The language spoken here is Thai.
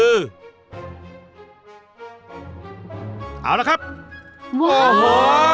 เอาละครับโอ้โห